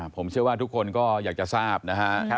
ผมเชื่อว่าทุกคนก็อยากจะทราบนะฮะ